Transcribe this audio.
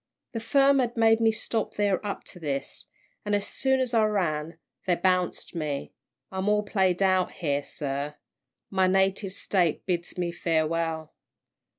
The firm had made me stop there up to this, an' as soon as I ran, they bounced me I'm all played out here, sir. My native State bids me farewell!"